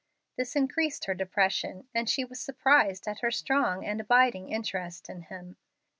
This increased her depression, and she was surprised at her strong and abiding interest in him.